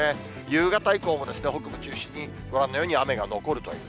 夕方以降も北部中心に、ご覧のように雨が残るという。